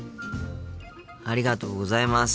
ありがとうございます。